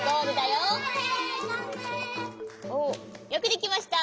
よくできました！